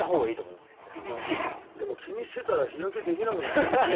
でも気にしていたら日焼けできなくなる。